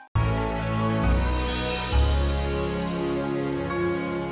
assalamualaikum warahmatullahi wabarakatuh